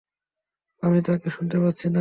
আমি তাকে শুনতে পাচ্ছি না হ্যাঁ!